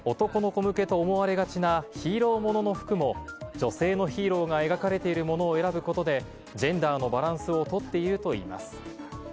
男の子向けと思われがちなヒーローものの服も、女性のヒーローが描かれているものを選ぶことで、ジェンダーのバランスを取っているといいます。